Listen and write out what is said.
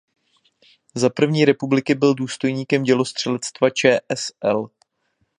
Za první republiky byl důstojníkem dělostřelectva čsl.